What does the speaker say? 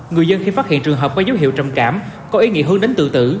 người dân khi phát hiện trường hợp có dấu hiệu trầm cảm có ý nghĩa hướng đến tự tử